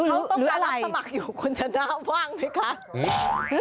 เขาต้องการรับสมัครอยู่คุณชนะว่างไหมคะ